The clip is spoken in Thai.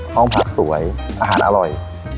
ห้องพักสวยอาหารอร่อย